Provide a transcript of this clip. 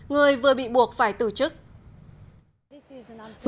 người vừa bị buộc phải tử trụ